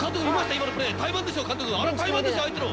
今のプレー怠慢ですよ。